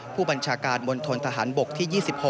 ผู้บัญชาการมณฑนทหารบกที่๒๖